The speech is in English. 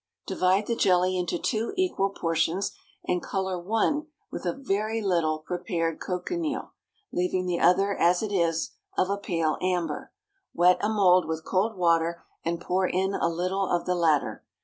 Divide the jelly into two equal portions, and color one with a very little prepared cochineal, leaving the other as it is, of a pale amber. Wet a mould with cold water and pour in a little of the latter.